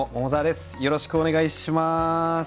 よろしくお願いします。